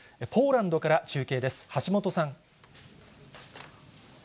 ポーランドから中継です、橋本さん。